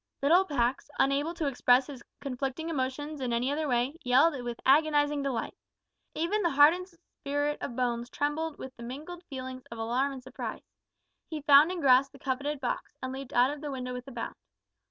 Little Pax, unable to express his conflicting emotions in any other way, yelled with agonising delight. Even the hardened spirit of Bones trembled with mingled feelings of alarm and surprise. He found and grasped the coveted box, and leaped out of the window with a bound.